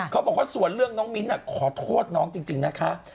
เขาบอกว่าส่วนเรื่องน้องมิ้นขอโทษน้องจริงนะคะ